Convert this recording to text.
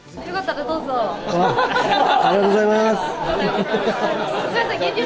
ありがとうございます！